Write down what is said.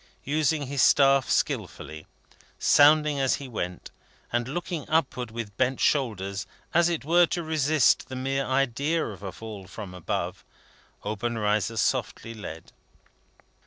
Using his staff skilfully, sounding as he went, and looking upward, with bent shoulders, as it were to resist the mere idea of a fall from above, Obenreizer softly led.